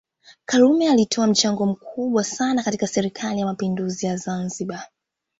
karume alitoa mchango mkubwa sana katika serikali ya mapinduzi ya Zanzibar